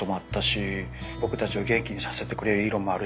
僕たちを元気にさせてくれる色もあるし。